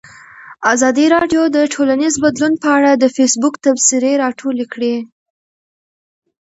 ازادي راډیو د ټولنیز بدلون په اړه د فیسبوک تبصرې راټولې کړي.